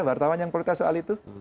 wartawan yang protes soal itu